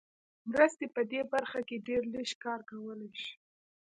مرستې په دې برخه کې ډېر لږ کار کولای شي.